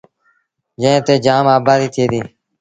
جݩهݩ تي جآم آبآديٚ ٿئي ديٚ۔